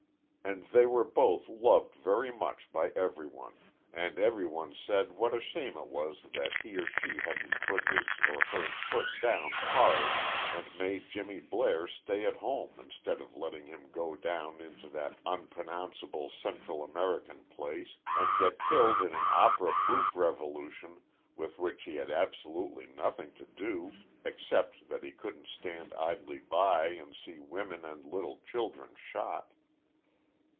And they were both loved very much by everyone; and everyone said what a shame it was that he or she hadn't put his or her foot down hard and made Jimmy Blair stay at home instead of letting him go down into that unpronounceable Central American place and get killed in an opera bouffe revolution with which he had absolutely nothing to do except that he couldn't stand idly by and see women and little children shot.